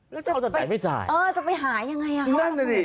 แล้วเจ้าจะไปเออจะไปหายังไงฮะเขานั่นนี่